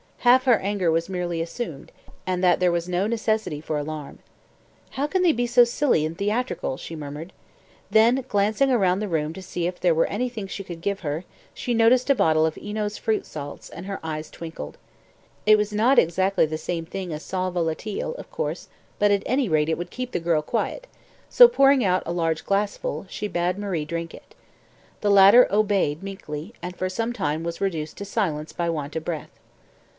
half her anger was merely assumed, and that there was no necessity for alarm. "How can they be so silly and theatrical?" she muttered. Then, glancing round the room to see if there were anything she could give her, she noticed a bottle of Eno's Fruit Salts, and her eyes twinkled. It was not exactly the same thing as sal volatile, of course, but at any rate it would keep the girl quiet, so, pouring out a large glassful, she bade Marie drink it. The latter obeyed meekly, and for some time was reduced to silence by want of breath.